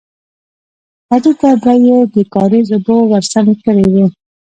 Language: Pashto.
پټي ته به يې د کاريز اوبه ورسمې کړې وې.